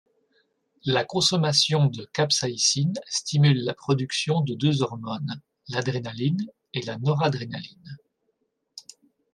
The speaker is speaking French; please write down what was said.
La consommation de capsaïcine stimule la production de deux hormones, l'adrénaline et la noradrénaline.